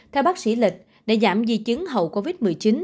theo bác sĩ lịch để giảm di chứng hậu covid một mươi chín